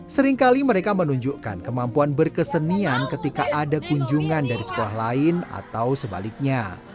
seringkali mereka menunjukkan kemampuan berkesenian ketika ada kunjungan dari sekolah lain atau sebaliknya